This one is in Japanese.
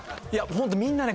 ホントみんなね